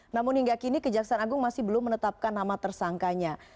namun hingga kini kejaksaan agung masih belum menetapkan nama tersangkanya